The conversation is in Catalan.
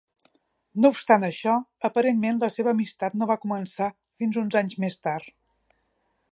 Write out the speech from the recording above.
No obstant això, aparentment la seva amistat no va començar fins uns anys més tard.